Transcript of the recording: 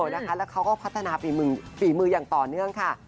แล้วเขาก็พัฒนาฝีมืออย่างต่อเนื่องค่ะ